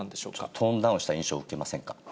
トーンダウンした印象を受けませんか？